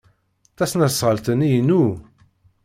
Tasnasɣalt-nni inu.